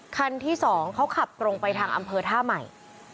คันที่๒เขาขับตรงไปทางอำเภอท่าใหม่